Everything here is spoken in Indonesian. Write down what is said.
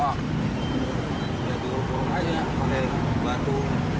jadi berubah aja pakai batu